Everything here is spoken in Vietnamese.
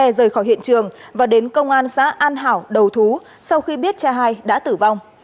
rời khỏi hiện trường và đến công an xã an hảo đầu thú sau khi biết cha hai đã tử vong